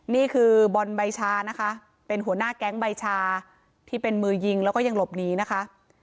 นี่คือบอลใบชานะคะเป็นหัวหน้าแก๊งใบชาที่เป็นมือยิงแล้วก็ยังหลบหนีนะคะ